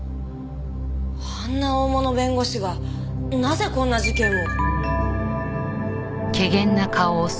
あんな大物弁護士がなぜこんな事件を？